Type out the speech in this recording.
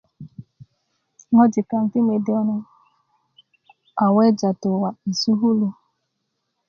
ŋojik kaŋ ti mede kune a weja tu wa' yi sukulu